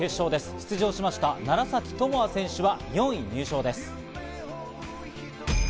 出場しました楢崎智亜選手は４位入賞です。